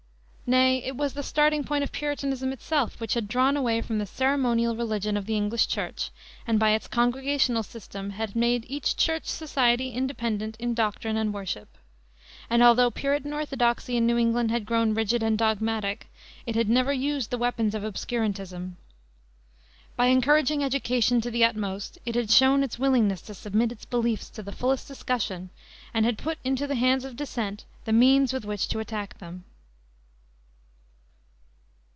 Nay, it was the starting point of Puritanism itself, which had drawn away from the ceremonial religion of the English Church and by its Congregational system had made each church society independent in doctrine and worship. And although Puritan orthodoxy in New England had grown rigid and dogmatic, it had never used the weapons of obscurantism. By encouraging education to the utmost it had shown its willingness to submit its beliefs to the fullest discussion and had put into the hands of dissent the means with which to attack them.